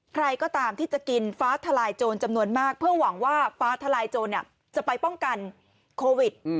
ใครก็ตามที่จะกินฟ้าทลายโจรจำนวนมากเพื่อหวังว่าฟ้าทลายโจรจะไปป้องกันโควิด